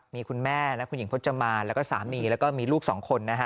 มีคุณแม่และคุณหญิงพจมานแล้วก็สามีแล้วก็มีลูกสองคนนะฮะ